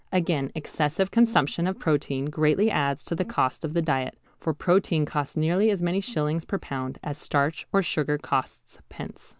Again, excessive consumption of protein greatly adds to the cost of the diet, for protein costs nearly as many shillings per pound as starch or sugar costs pence.